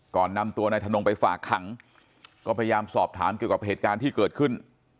นำตัวนายทนงไปฝากขังก็พยายามสอบถามเกี่ยวกับเหตุการณ์ที่เกิดขึ้น